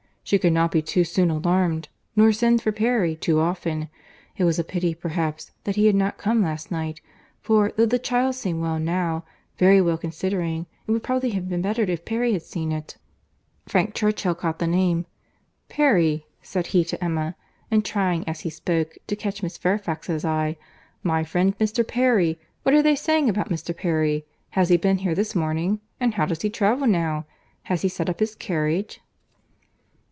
She could not be too soon alarmed, nor send for Perry too often. It was a pity, perhaps, that he had not come last night; for, though the child seemed well now, very well considering, it would probably have been better if Perry had seen it." Frank Churchill caught the name. "Perry!" said he to Emma, and trying, as he spoke, to catch Miss Fairfax's eye. "My friend Mr. Perry! What are they saying about Mr. Perry?—Has he been here this morning?—And how does he travel now?—Has he set up his carriage?"